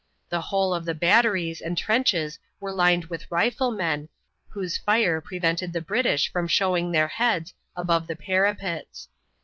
The Whole of the batteries and trenches were lined with riflemen, whose fire prevented the British from showing their heads, above the parapets.